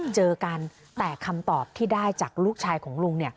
เจอกันแต่คำตอบที่ได้จากลูกชายของลุง